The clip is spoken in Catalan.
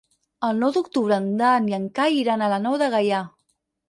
El nou d'octubre en Dan i en Cai iran a la Nou de Gaià.